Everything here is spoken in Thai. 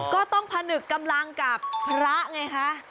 ก็ต้องผนึกกำลังกับพระไงคะ